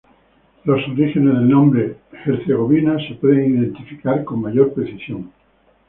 Los orígenes del nombre Herzegovina se pueden identificar con mayor precisión.